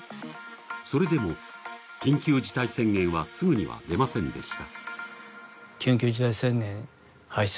それでも緊急事態宣言はすぐには出ませんでした。